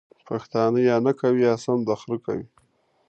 پښتانه ېې یا نکوي یا يې سم د خره کوي!